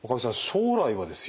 将来はですよ